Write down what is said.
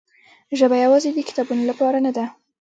ژبه یوازې د کتابونو لپاره نه ده.